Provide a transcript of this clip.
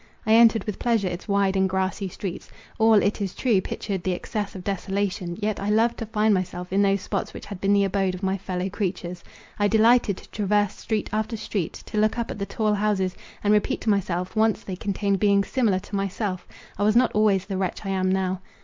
I entered with pleasure its wide and grassy streets. All, it is true, pictured the excess of desolation; yet I loved to find myself in those spots which had been the abode of my fellow creatures. I delighted to traverse street after street, to look up at the tall houses, and repeat to myself, once they contained beings similar to myself—I was not always the wretch I am now.